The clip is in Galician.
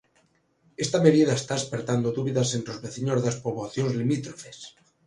Esta medida está espertando dúbidas entre os veciños das poboacións limítrofes.